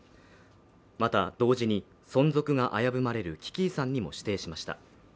また同時に存続が危ぶまれる危機遺産にも指定しました。